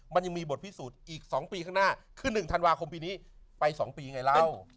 มันยังมีบทพิสูจน์อีก๒ปีข้างหน้าคือ๑ธันวาคมปีนี้ไป๒ปีไงล้าน